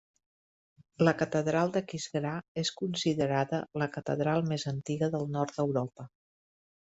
La catedral d'Aquisgrà és considerada la catedral més antiga del nord d'Europa.